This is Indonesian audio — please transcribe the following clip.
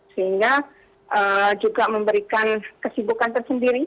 sehingga juga memberikan kesibukan tersendiri